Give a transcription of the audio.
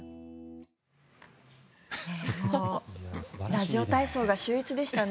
ラジオ体操が秀逸でしたね。